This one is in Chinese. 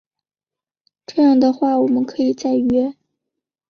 这样的话我们可以再约